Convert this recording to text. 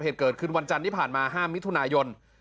เหตุเกิดขึ้นวันจันทร์ที่ผ่านมา๕มิถุนายน